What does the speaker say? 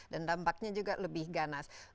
dan dampaknya juga lebih ganas